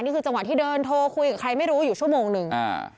จังหวะที่เดินโทรคุยกับใครไม่รู้อยู่ชั่วโมงหนึ่งอ่า